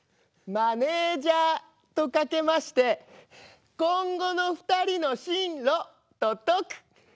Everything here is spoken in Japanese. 「マネージャー」とかけまして「今後の２人の進路」ととく。